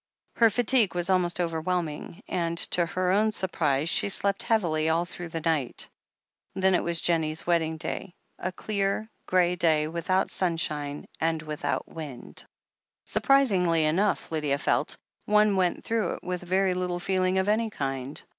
Her fatigue was almost overwhelming, and, to her own surprise, she slept heavily all through the night. Then it was Jennie's wedding day — sl clear, grey day, without sunshine and without wind. Surprisingly enough, Lydia felt, one went through it with very little feeling of any kind.